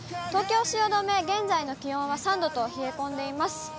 東京・汐留、現在の気温は３度と、冷え込んでいます。